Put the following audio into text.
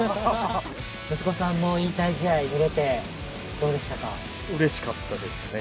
息子さんの引退試合見れてどうでしたか？